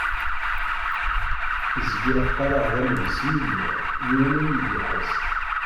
Zgiɣ qqareɣ d amelsi i lliɣ, yiwen ur yi-d-iḥess.